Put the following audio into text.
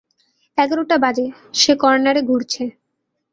এগারোটা বাজে, সে কর্ণারে ঘুরছে।